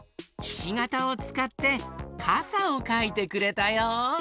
ひしがたをつかってかさをかいてくれたよ。